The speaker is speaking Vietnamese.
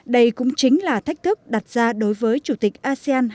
đây cũng chính là thách thức đặt ra đối với chủ tịch asean